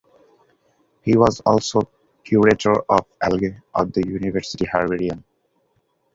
He was also Curator of Algae of the University Herbarium.